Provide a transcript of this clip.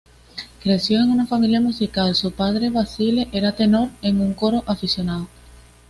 Creció en una familia musical; su padre, Vasile, era tenor en un coro aficionado.